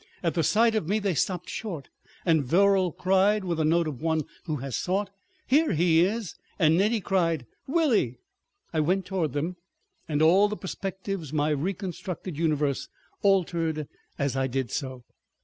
At the sight of me they stopped short, and Verrall cried with the note of one who has sought, "Here he is!" And Nettie cried, "Willie!" I went toward them, and all the perspectives of my reconstructed universe altered as I did so.